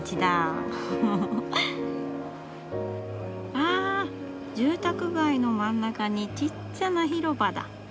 あ住宅街の真ん中にちっちゃな広場だ。